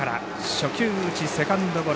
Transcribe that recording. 初球打ちセカンドゴロ。